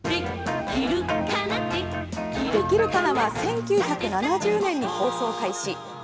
「できるかな」は１９７０年に放送開始。